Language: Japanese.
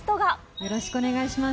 よろしくお願いします。